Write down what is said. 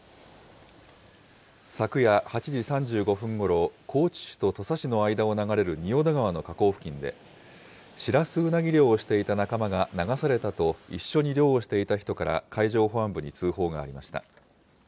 昨夜８時３５分ごろ、高知市と土佐市の間を流れる仁淀川の河口付近で、シラスウナギ漁をしていた仲間が流されたと、一緒に漁をしていた人から、海上保安部に通報がありました。